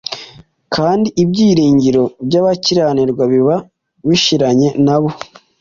kandi ibyiringiro by’abakiranirwa biba bishiranye na bo